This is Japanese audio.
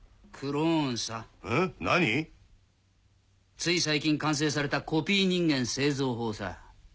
つい最近完成されたコピー人間製造法さ。